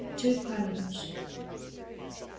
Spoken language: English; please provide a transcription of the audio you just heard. TWO PRELUDES. I.